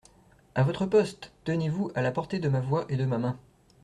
À votre poste !… Tenez-vous à la portée de ma voix et de ma main.